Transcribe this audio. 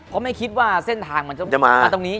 เพราะไม่คิดว่าเส้นทางมันจะมาตรงนี้